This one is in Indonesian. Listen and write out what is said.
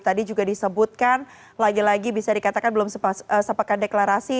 tadi juga disebutkan lagi lagi bisa dikatakan belum sepekan deklarasi